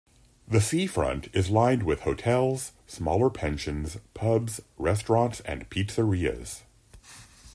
The seafront is lined with hotels, smaller pensions, pubs, restaurants and pizzerias.